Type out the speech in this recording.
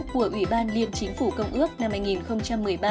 của ủy ban liên chính phủ công ước năm hai nghìn một mươi ba